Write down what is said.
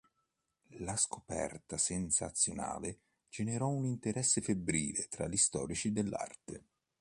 La scoperta sensazionale generò un interesse febbrile tra gli storici dell'arte.